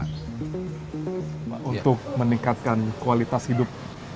untuk meningkatkan kualitas hidup